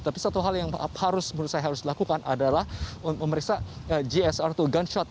tapi satu hal yang harus menurut saya harus dilakukan adalah memeriksa gsr atau gunshot